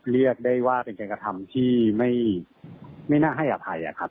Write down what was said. เรียกได้ว่าเป็นการกระทำที่ไม่น่าให้อภัยครับ